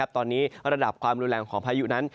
ตอนนี้ระดับความรุนแรงของพายุนั้น